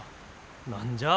何じゃあ。